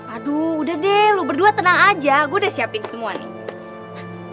aduh udah deh lu berdua tenang aja gue udah siapin semua nih